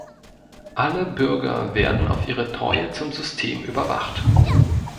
Alle Bürger werden auf ihre Treue zum System überwacht.